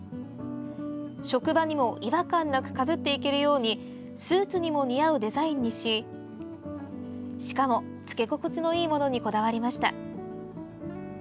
職場にも違和感なくかぶっていけるようにスーツにも似合うデザインにししかも、着け心地のいいものにこだわりました。